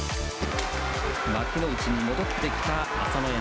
幕内に戻ってきた朝乃山。